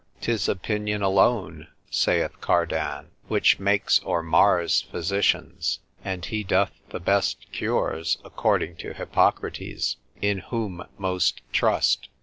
'Tis opinion alone (saith Cardan), that makes or mars physicians, and he doth the best cures, according to Hippocrates, in whom most trust.